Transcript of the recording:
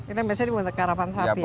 ini yang biasanya dibuat karapan sapi ya